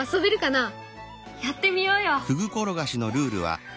やってみようよ！